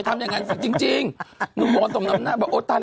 ทำชีวิตมาท